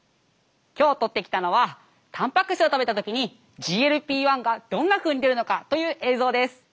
今日撮ってきたのはたんぱく質を食べた時にＧＬＰ−１がどんなふうに出るのかという映像です。